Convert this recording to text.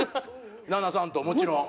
旦那さんともちろん。